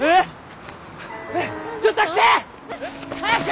ちょっと来て！早く！